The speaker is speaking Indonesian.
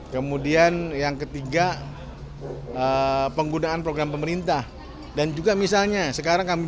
kemudian yang ketiga penggunaan program pemerintah dan juga misalnya sekarang kami